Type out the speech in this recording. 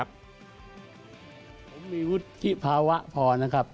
ผมมีวุฒิภาวะพอนะครับ